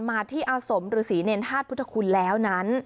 มาที่อาสมฤษีเนรธาตุพุทธคุณแล้วนั้น